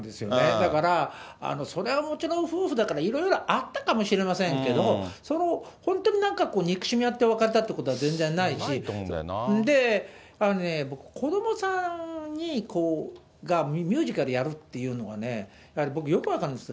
だから、それはもちろん、夫婦だからいろいろあったかもしれませんけれども、その本当になんか憎しみあって別れたってことは全然ないし、僕、子どもさんがミュージカルやるっていうのはね、やはり僕よく分かるんです。